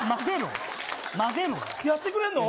やってくれるの。